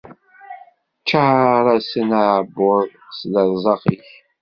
Ččar-asen aɛebbuḍ s lerẓaq-ik.